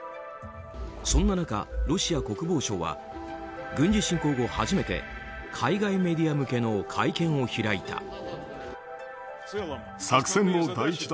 そんな中、ロシア国防省は軍事侵攻後初めて海外メディア向けの会見を開いた。